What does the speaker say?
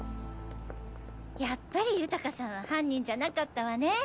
やっぱり豊さんは犯人じゃなかったわね。